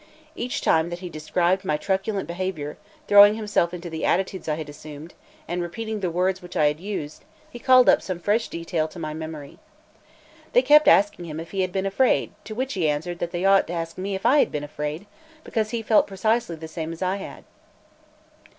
Each time that he described my truculent behaviour, throwing himself into the attitudes I had assumed, and repeating the words which I had used, he called up some fresh detail to my memory. They kept asking him if he had been afraid; to which he answered that they ought to ask me if I had been afraid, because he felt precisely the same as I had.